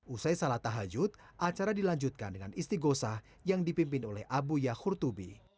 usai salat tahajud acara dilanjutkan dengan istighosah yang dipimpin oleh abu yahurtubi